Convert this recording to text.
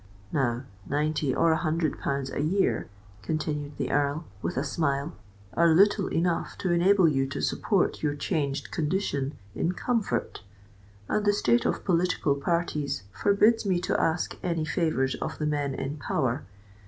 Now, ninety or a hundred pounds a year," continued the Earl, with a smile, "are little enough to enable you to support your changed condition in comfort; and the state of political parties forbids me to ask any favours of the men in power.